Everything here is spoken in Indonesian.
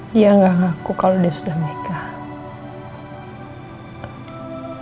dia gak ngaku kalau dia sudah menikah